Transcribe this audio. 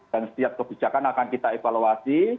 dan setiap kebijakan akan kita evaluasi